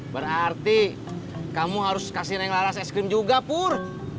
berarti kamu harus kasih neng laras es krim juga pur